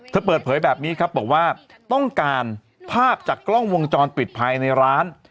เปิดเผยแบบนี้ครับบอกว่าต้องการภาพจากกล้องวงจรปิดภายในร้าน